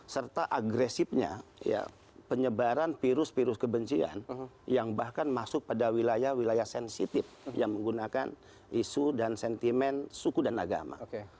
serta agresifnya penyebaran virus virus kebencian yang bahkan masuk pada wilayah wilayah sensitif yang menggunakan isu dan sentimen suku dan agama